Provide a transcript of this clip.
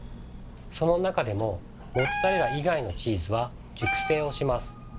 その中でもモッツァレラ以外のチーズは熟成をします。